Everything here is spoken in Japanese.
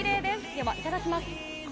では、いただきます。